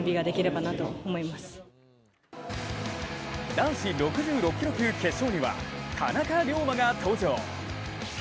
男子６６キロ級決勝には田中龍馬が登場。